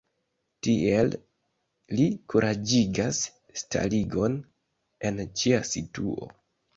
Tiel li kuraĝigas starigon en ĉia situo.